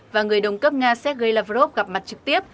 và người đồng cấp nga sergei lavrov gặp mặt trực tiếp